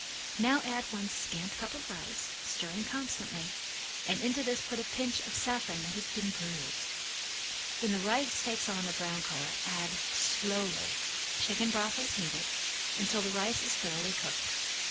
Now add one scant cup of rice, stirring constantly, and into this put a pinch of saffron that has been bruised. When the rice takes on a brown color add, slowly, chicken broth as needed, until the rice is thoroughly cooked.